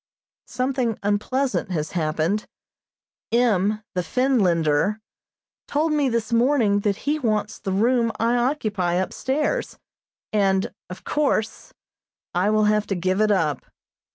Something unpleasant has happened. M., the Finlander, told me this morning that he wants the room I occupy upstairs, and, of course, I will have to give it up.